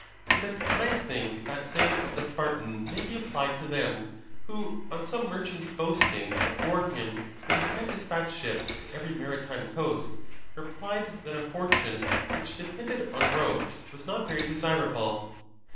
So that I think that say ing of the Spartan may be applied to them, who, on some merchant's boasting before him that he had despatched ships to every maritime coast, replied that a fortune which depended on ropes was not very desirable.